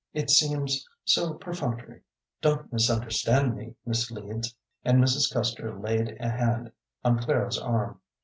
It seems so perfunctory. "Don't misunderstand me, Miss Leeds," and Mrs. Custer laid a hand on Clara's arm.